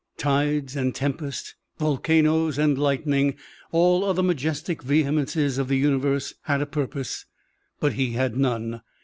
Tides and tempest, volcanoes and lightning, all other majestic vehemences of the universe had a purpose, but he had none.